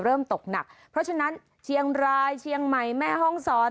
ตกหนักเพราะฉะนั้นเชียงรายเชียงใหม่แม่ห้องศร